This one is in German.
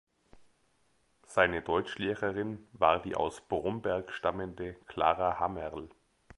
Seine Deutschlehrerin war die aus Bromberg stammende Clara Hammerl.